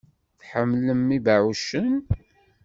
Tḥemmlem ibeɛɛucen?